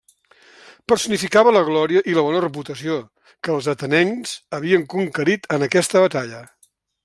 Personificava la glòria i la bona reputació, que els atenencs havien conquerit en aquesta batalla.